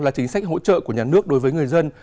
là chính sách hỗ trợ của nhà nước đối với người dân